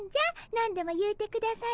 何でも言うてくだされ。